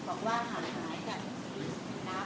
บอกว่าหายหายกัน